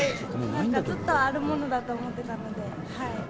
なんかずっとあるものだと思ってたので。